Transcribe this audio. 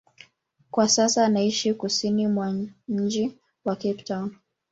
Kwa sasa anaishi kusini mwa mji wa Cape Town.